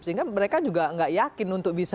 sehingga mereka juga nggak yakin untuk bisa